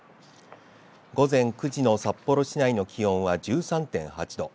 午前９時の札幌市内の気温は１３．８度。